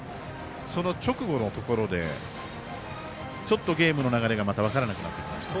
その直後のところでちょっとゲームの流れがまた分からなくなってきました。